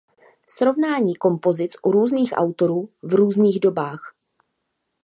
Srovnání kompozic u různých autorů v různých dobách.